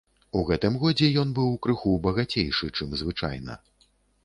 У гэтым годзе ён быў крыху багацейшы, чым звычайна.